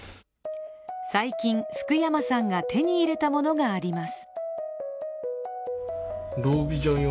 最近、福山さんが手に入れたものがあります。